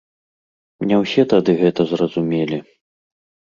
Не ўсе тады гэта зразумелі.